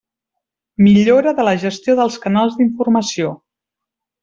Millora de la gestió dels canals d'informació.